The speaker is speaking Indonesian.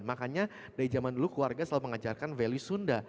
makanya dari zaman dulu keluarga selalu mengajarkan value sunda